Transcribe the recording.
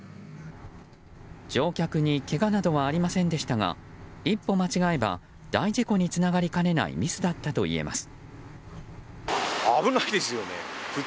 乗客にけがなどはありませんでしたが一歩間違えば大事故につながりかねないミスだったといえます。